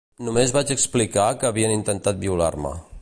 Només vaig explicar que havien intentat violar-me.